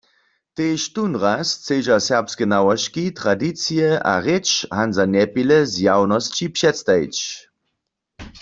Tež tónraz chcedźa serbske nałožki, tradicije a rěč Hanza Njepile zjawnosći předstajić.